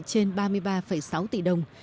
nên ba mươi ba sáu tỷ đồng